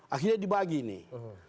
akhirnya dibagi nih